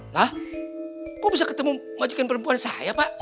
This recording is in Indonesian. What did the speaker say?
lah kok bisa ketemu ngajukkan perempuan saya pak